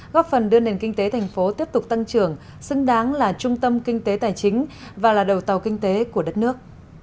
góp phần đưa nền kinh tế thành phố tiếp tục tăng trưởng xứng đáng là trung tâm kinh tế tài chính và là đầu tàu kinh tế của đất nước